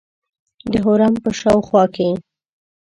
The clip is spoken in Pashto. د حرم په شاوخوا کې.